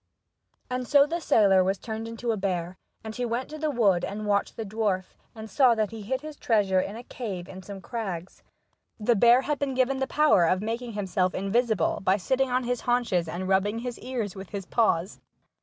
And so the sailor was turned into a bear, and he went to the wood and watched the dwarf, and saw that he hid his treasure in a cave in some crags. The bear had been given the power of making him self invisible, by sitting on his haunches and rubbing his ears with his paws.